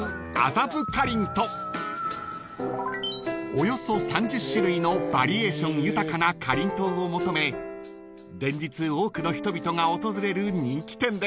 ［およそ３０種類のバリエーション豊かなかりんとうを求め連日多くの人々が訪れる人気店です］